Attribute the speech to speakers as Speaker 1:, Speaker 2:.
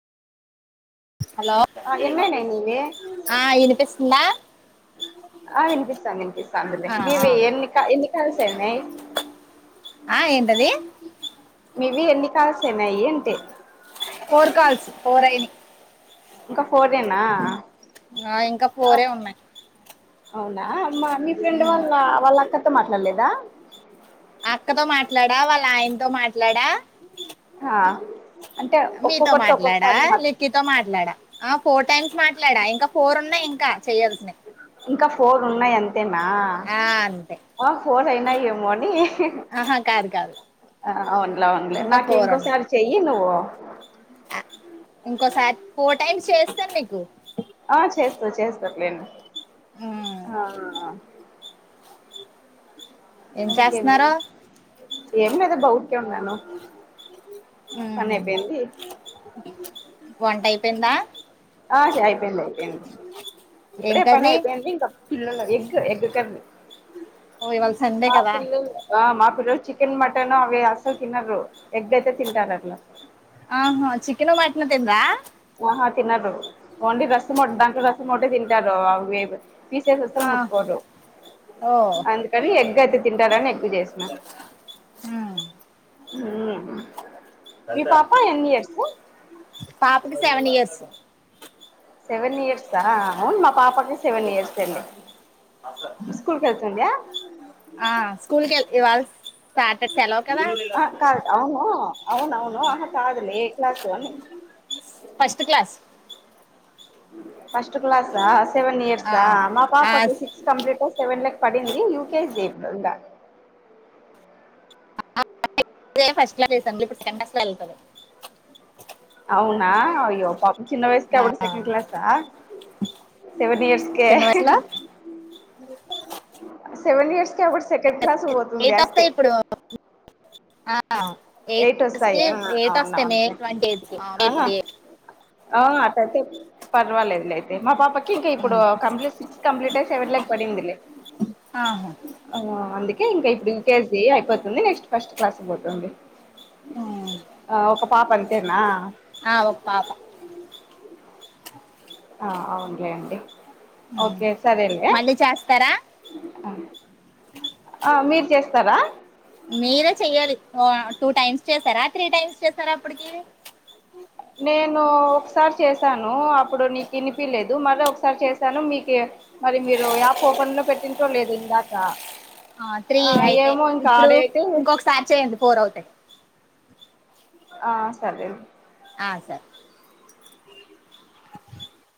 Speaker 1: Hello
Speaker 2: ఆ ఎన్నయినాయి నీవే
Speaker 1: ఆ వినిపిస్తుందా
Speaker 2: ఆ వినిపిస్తాంది వినిపిస్తాందిలే
Speaker 1: ఆ ఆ
Speaker 2: నీవి ఎన్నిక ఎన్ని కలుసేనాయి
Speaker 1: ఆ ఏంటది
Speaker 2: మీవి ఎన్ని కాల్సనాయి అంటి
Speaker 1: ఫోర్ కాల్స్ ఫోర్ అయినాయి
Speaker 2: ఇంకా ఫోరేన
Speaker 1: ఆ ఇంకా ఫోరే ఉన్నాయి
Speaker 2: అవునా మా మీ ఫ్రెండ్
Speaker 1: ఉమ్
Speaker 2: వాళ్ళ వాళ్ళక్క మాట్లాడలేదా
Speaker 1: అక్కతో మాట్లాడా వాళ్ళ ఆయనతో మాట్లాడా
Speaker 2: ఆ అంటే
Speaker 1: మీతో
Speaker 2: ఒక్కొక్కరితో
Speaker 1: మాట్లాడా
Speaker 2: ఒక్కొక్కసారి మాట్
Speaker 1: లిక్కితో మాట్లాడా ఆ ఫోర్ టైమ్స్ మాట్లాడా ఇంకా ఫోరున్నాయి ఇంకా చేయాల్సినవి
Speaker 2: ఇంకా ఫోర్ ఉన్నాయా అన్ తేనా
Speaker 1: ఆ అంతే
Speaker 2: ఆ ఫోర్ అయినాయి ఏమోని
Speaker 1: ఆహా కాదు కాదు
Speaker 2: ఆ అవున్లే అవున్లే నాకు ఇంకోసారి చెయ్యి నువ్వు వ [unintelligible]
Speaker 1: ఆ ఇంకోసారి ఫోర్ టైమ్స్ చేస్తే నీకు
Speaker 2: ఆ చేస్తా చేస్తా లేండి
Speaker 1: ఉమ్
Speaker 2: అహ్
Speaker 1: ఏం
Speaker 2: ఇంకేమీ
Speaker 1: చేస్తున్నారు
Speaker 2: ఏం లేదు అబ్బా ఊరికే ఉన్నాను పని
Speaker 1: ఉమ్
Speaker 2: అయిపోయింది
Speaker 1: వంట అయిపోయిందా
Speaker 2: ఆ అయిపోయింది అయిపోయింది
Speaker 1: ఏం
Speaker 2: ఇప్పుడే
Speaker 1: కర్రీ
Speaker 2: పనియిపోయింది ఇంకా పిల్లకి ఎగ్ ఎగ్ కర్రీ.
Speaker 1: ఓ ఇవాళ సండే
Speaker 2: మా
Speaker 1: కదా
Speaker 2: పిల్లలు ఆ మా ఇప్పుడు చికెన్ మటన్ అవి అసలు తిిన ఎగ్ అయితే తింటారు అట్లా
Speaker 1: ఆహా చికన్ మాట్న తిందరా
Speaker 2: ఆహా తిినరు ఓన్లీ రసమొట్ట దాంట్లో రసమొట్టే తింటారు అవిే పీసేస వస్తలు
Speaker 1: ఆ,
Speaker 2: ముట్టుకోరు
Speaker 1: ఓ
Speaker 2: అందుకని ఎగ్ అయితే తింటారని ఎగ్గు చేసిన
Speaker 1: ఉమ్.
Speaker 2: మీ పాప ఎయన్ ఇయర్స్
Speaker 1: పాపకి సెవెన్ ఇయర్స్
Speaker 2: సెవెన్ ఇయర్స్ా అవును మా పాపకి సెవెన్ ఇయర్స్ అండి స్కూల్కి వెళ్తుందా
Speaker 1: ఆ స్కూల్కి వెళ్ ఇ వాళ సట చాల
Speaker 2: ఆ క అవును అవును అవును అహ కాదులి ఏ క్లాసు అని
Speaker 1: ఫస్ట్ క్లాస్
Speaker 2: ఫస్ట్ క్లాసా సెవెన్
Speaker 1: ఆ
Speaker 2: ఇయర్సా మా
Speaker 1: ఆ,
Speaker 2: పాపకి సిక్స్ కంప్లీట్ సెవెన్ క్ పడింది యూకేీ ఇం
Speaker 1: అదే ఫస్ట్ లా తీసండి ఇప్పుడు సెకండ్ కస్ లా వెళ్తుంది
Speaker 2: అవునా అయ్యో పా చిన్న వయసుక
Speaker 1: ఆ,
Speaker 2: అబడు సెకండ్ క్లాస్ా సెవెన్ ఇయర్స్కే
Speaker 1: చిన్న వయసులో
Speaker 2: సె ఇయర్స్
Speaker 1: ఎట్ వా ఇప్పుడు ఎ
Speaker 2: ఎయిట్
Speaker 1: ఎ
Speaker 2: వస్తాయా
Speaker 1: మే
Speaker 2: అవునవునులే
Speaker 1: ట్వ ఎయి మ
Speaker 2: అవునా
Speaker 1: ట్
Speaker 2: ఆ ర్వాలదుయితే మా పాప ఇం ఇప్పుడు సి కంప్ట్ సవె పంది
Speaker 1: ఆహా
Speaker 2: ఇంకా ఇప్పుడు వికేజీ అయిపోతుంది నెక్స్ట్ ఫస్ట్ క్లాస్ పోతుంది
Speaker 1: ఉమ్.
Speaker 2: ఆ ఒక పాప అని తేనా
Speaker 1: ఆ, ఒక పాప
Speaker 2: ఆ అవునులే అండి ఓకే సరేలే
Speaker 1: మళ్ళీ చేస్తారా
Speaker 2: ఆ ఆ మీరు చేస్త తార
Speaker 1: మీరే చెయ్యాలి టూ టైమ్స్ చేసారా త్రీ టైమ్స్ చేసారా అప్పటికి
Speaker 2: నేను ఒకసారి చేశాను అప్పుడు నీకు వినిపిలేదు మర ఒకసారి చేశాను మీకు మరి మీరు యాప్ ఓపెన్ లో పెట్టిో లేదు ఇందాక
Speaker 1: త్రీ అయితే
Speaker 2: ఏమో ఇంకా
Speaker 1: ఇప్పుడు
Speaker 2: ఆడ అయితే
Speaker 1: ఇంకొకసారి చేయండి ఫోర్ అవుతాయి
Speaker 2: ఆ సరే
Speaker 1: ఆ సార్